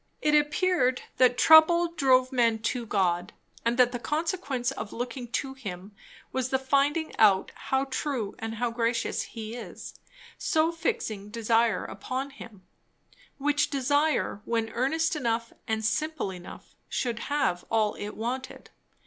It appeared that trouble drove men to God; and that the consequence of looking to him was the finding out how true and how gracious he is; so fixing desire upon him, which desire, when earnest enough and simple enough, should have all it wanted.